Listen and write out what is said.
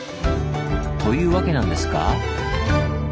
というわけなんですが。